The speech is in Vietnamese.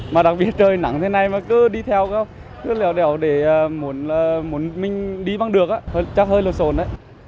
mà đặc biệt trời nắng thế này mà cứ đi theo cứ lèo lèo để muốn mình đi băng được chắc hơi lột xồn đấy